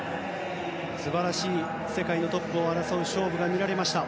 素晴らしい世界のトップを争う勝負が見れました。